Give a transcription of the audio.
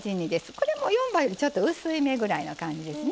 これも４倍よりちょっと薄いめの感じですね。